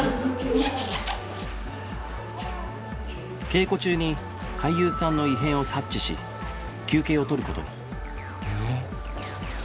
稽古中に俳優さんの異変を察知し休憩を取る事に